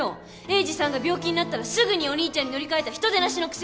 栄治さんが病気になったらすぐにお兄ちゃんに乗り換えた人でなしのくせに！